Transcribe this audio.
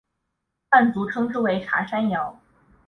汉族称之为茶山瑶。